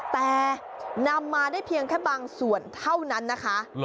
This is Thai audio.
แต่นำมาได้เพียงแค่บางส่วนเท่านั้นนะคะ